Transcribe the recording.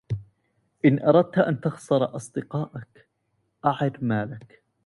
إن أردت أن تخسر أصدقاءك، أعِر مالك.